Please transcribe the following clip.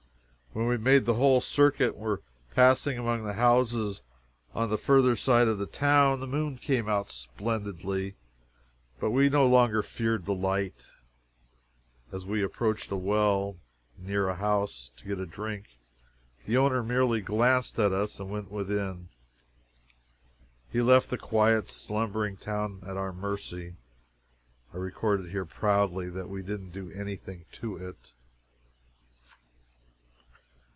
When we had made the whole circuit, and were passing among the houses on the further side of the town, the moon came out splendidly, but we no longer feared the light. As we approached a well, near a house, to get a drink, the owner merely glanced at us and went within. He left the quiet, slumbering town at our mercy. I record it here proudly, that we didn't do any thing to it.